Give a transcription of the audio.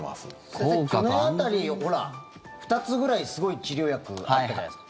先生、去年辺り２つぐらいすごい治療薬あったじゃないですか。